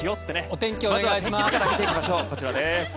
お天気、お願いします。